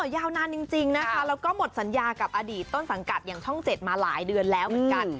ยาวนานจริงนะคะแล้วก็หมดสัญญากับอดีตต้นสังกัดอย่างช่อง๗มาหลายเดือนแล้วเหมือนกัน